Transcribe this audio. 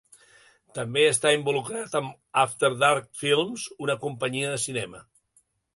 També està involucrat amb After Dark Films, una companyia de cinema.